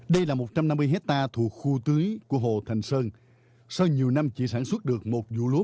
đây là một trăm năm mươi hectare thuộc khu tưới của hồ thành sơn sau nhiều năm chỉ sản xuất được một vụ lúa